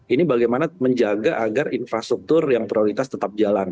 ini bagaimana menjaga agar infrastruktur yang prioritas tetap jalan